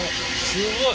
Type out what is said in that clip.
すごい。